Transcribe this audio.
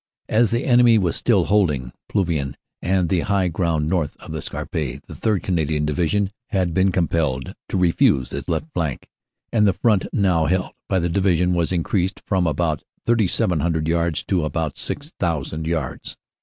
"As the enemy was still holding Plouvain and the high ground north of the Scarpe, the 3rd. Canadian Division had been compelled to refuse its left flank, and the front now held by this Division was increased from about 3,700 yards to about 6,000 yards."